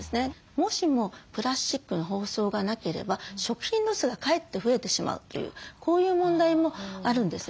もしもプラスチックの包装がなければ食品ロスがかえって増えてしまうというこういう問題もあるんですね。